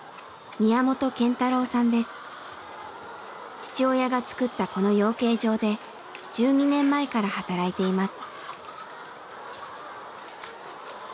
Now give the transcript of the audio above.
父親がつくったこの養鶏場で１２年前から働いています。